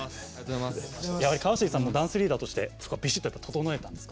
川尻さんもダンスリーダーとしてびしっと整えたんですか？